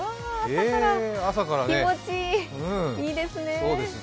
気持ちいい、いいですね。